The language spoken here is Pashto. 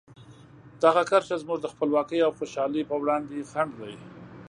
دغه کرښه زموږ د خپلواکۍ او خوشحالۍ په وړاندې خنډ ده.